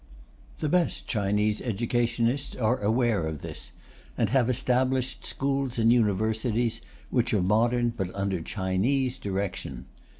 The best Chinese educationists are aware of this, and have established schools and universities which are modern but under Chinese direction.